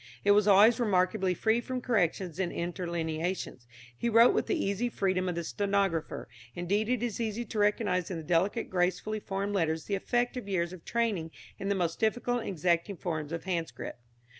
It was always remarkably free from corrections or interlineations. He wrote with the easy freedom of the stenographer; indeed it is easy to recognise in the delicate gracefully formed letters the effect of years of training in the most difficult and exacting form of handscript.